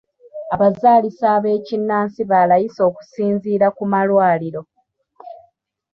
Abazaalisa ab'ekinnansi ba layisi okusinziira ku malwaliro.